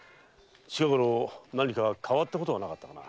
近ごろ何か変わったことはなかったか？